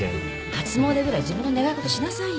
初詣ぐらい自分の願い事しなさいよ。